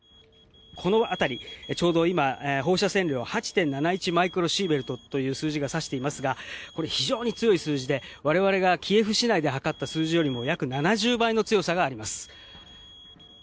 この辺りちょうど今放射線量が８．７１マイクロシーベルトという数字を指していますがこれは非常に強い数字で我々がキエフ市内で測った数字より約７０倍の強さがあります。